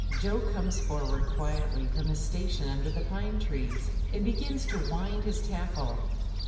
Jo comes forward quietly from his station under the pine trees, and begins to wind his tackle.